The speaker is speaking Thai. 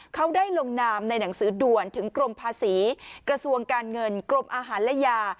เขาได้ลงนามในหนังสือด่วนถึงกรมภาษีกระทรวงการเงินกรมอาหารและยา